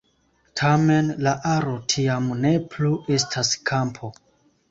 Tamen, la aro tiam ne plu estas kampo.